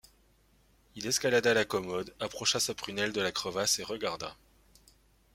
Il escalada la commode, approcha sa prunelle de la crevasse et regarda.